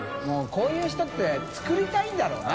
こういう人って作りたいんだろうな。